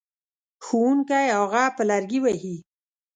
ښوونکی هغه په لرګي وهي.